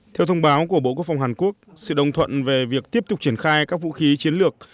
theo thông báo của bộ quốc phòng hàn quốc sự đồng thuận về việc tiếp tục triển khai các vũ khí chiến lược